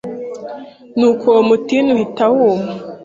Nuko uwo mutini uhita wuma